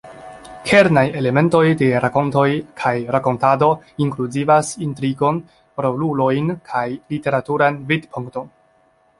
Kernaj elementoj de rakontoj kaj rakontado inkluzivas intrigon, rolulojn, kaj literaturan vidpunkton.